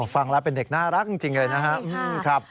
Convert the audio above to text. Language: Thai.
ฟังแล้วเป็นเด็กน่ารักจริงเลยนะครับ